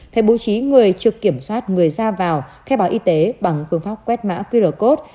phải bố trí người trực kiểm soát người ra vào khai báo y tế bằng phương pháp quét mã qr code